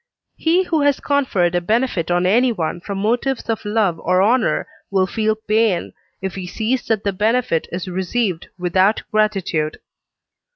He who has conferred a benefit on anyone from motives of love or honour will feel pain, if he sees that the benefit is received without gratitude.